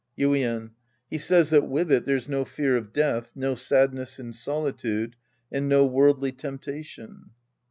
Yuien. He says that with it there's no fear of death, no sadness in solitude, and no worldly temp tation.